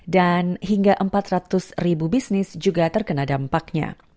dan hingga empat ratus ribu bisnis juga terkena dampaknya